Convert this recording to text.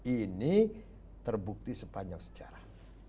ini terbukti sepanjang sejarah